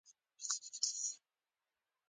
نور څه ولیکم.